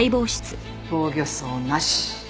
防御創なし。